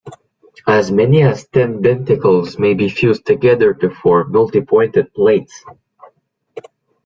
As many as ten denticles may be fused together to form multi-pointed plates.